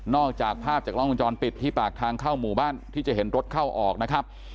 จากภาพจากล้องวงจรปิดที่ปากทางเข้าหมู่บ้านที่จะเห็นรถเข้าออกนะครับ